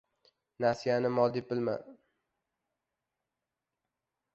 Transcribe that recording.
— Nasiyani mol deb bilma.